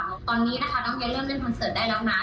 บอกตอนนี้นะคะน้องเยเริ่มเล่นคอนเสิร์ตได้แล้วนะ